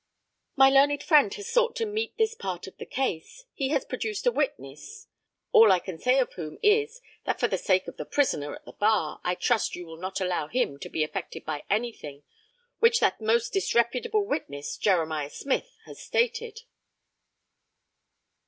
My learned friend has sought to meet this part of the case. He has produced a witness, all I can say of whom is, that for the sake of the prisoner at the bar, I trust you will not allow him to be affected by anything which that most disreputable witness, Jeremiah Smith, has stated.